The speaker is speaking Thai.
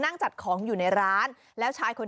นี่คุณไปสร้างแลนด์มาร์คเหรอ